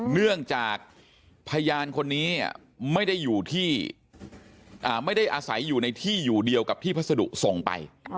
เนื่องจากพยานคนนี้ไม่ได้อยู่ที่ไม่ได้อาศัยอยู่ในที่อยู่เดียวกับที่พัสดุส่งไป